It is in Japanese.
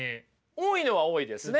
多いのは多いですね。